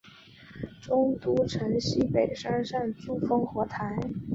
中都城西北山上筑烽火台。